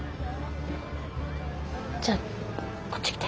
じゃあこっち来て。